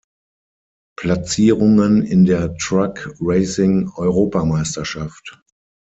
Platzierungen in der Truck-Racing-Europameisterschaft